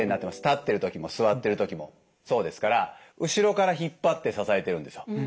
立ってる時も座ってる時もそうですから後ろから引っ張って支えてるんですよ。